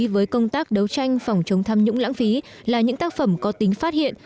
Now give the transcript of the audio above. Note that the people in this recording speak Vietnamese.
với công tác đấu tranh phòng chống tham nhũng lãng phí là những tác phẩm có tính phát hiện